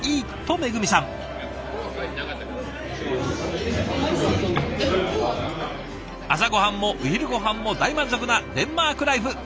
朝ごはんもお昼ごはんも大満足なデンマークライフごちそうさまでした！